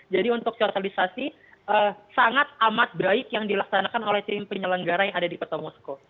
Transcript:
jadi untuk sosialisasi sangat amat baik yang dilaksanakan oleh penyelenggara yang ada di pertamosco